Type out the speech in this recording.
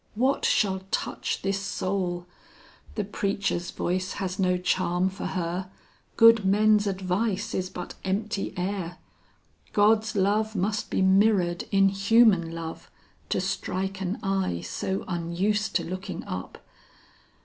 What shall touch this soul? The preacher's voice has no charm for her; good men's advice is but empty air. God's love must be mirrored in human love, to strike an eye so unused to looking up.